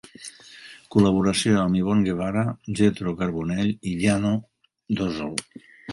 Col·laboració amb Ivonne Guevara, Jethro Carbonell i Yanou Dozol.